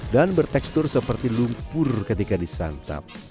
dan bertekstur seperti lumpur ketika disantap